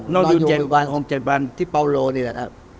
นอนอยู่บ้านอมเจ็ดบันที่เปาโลนี่แหละครับ